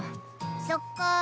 そっか。